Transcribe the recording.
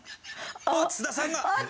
津田さんが！